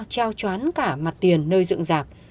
treo choán cả mặt tiền nơi dựng giảp